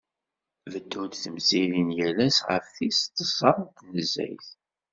Beddunt temsirin yal ass ɣef tis tẓa n tnezzayt.